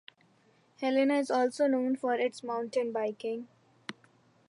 Helena is also known for its mountain biking.